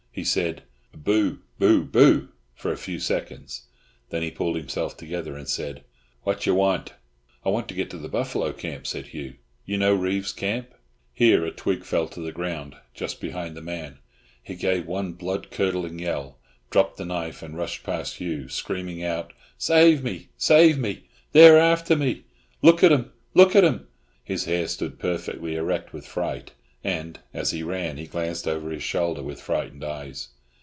He said, "Boo, Boo, Boo," for a few seconds; then he pulled himself together, and said, "Wha' you want?" "I want to get to the buffalo camp," said Hugh. "You know Reeves's camp." Here a twig fell to the ground just behind the man; he gave one blood curdling yell, dropped the knife, and rushed past Hugh, screaming out, "Save me! Save me! They're after me! Look at 'em; look at 'em!" His hair stood perfectly erect with fright, and, as he ran, he glanced over his shoulder with frightened eyes.